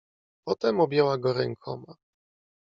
"Potem objęła go rękoma."